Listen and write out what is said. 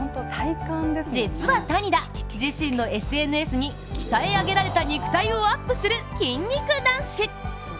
実は谷田、自身のＳＮＳに鍛え上げられた肉体をアップする筋肉男子。